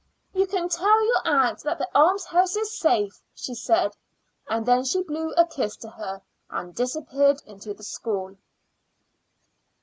"You can tell your aunt that the almshouse is safe," she said, and then she blew a kiss to her and disappeared into the school.